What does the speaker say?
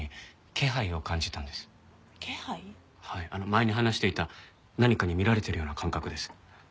前に話していた何かに見られてるような感覚です。